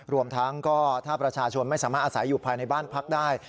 รวมทั้งก็ถ้าประชาชนไม่สามารถอาศัยอยู่ภายในบ้านพักได้